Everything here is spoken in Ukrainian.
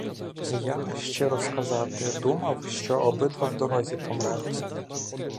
— Я, щиро сказати, думав, що обидва в дорозі помрете.